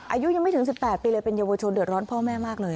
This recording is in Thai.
อายุยังไม่ถึง๑๘ปีเลยเป็นเยาวชนเดือดร้อนพ่อแม่มากเลย